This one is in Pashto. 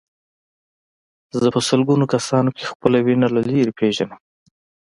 زه په سلګونه کسانو کې خپله وینه له لرې پېژنم.